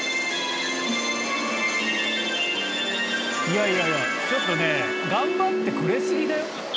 いやいやいやちょっとね頑張ってくれすぎだよ？